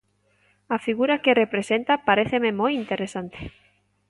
A figura que representa paréceme moi interesante.